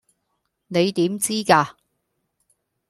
你點知架?